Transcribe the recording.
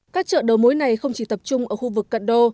các chợ đầu mối này không chỉ tập trung ở khu vực cận đô